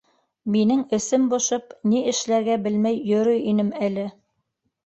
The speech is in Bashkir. Минең эсем бошоп, ни эшләргә белмәй йөрөй инем әле.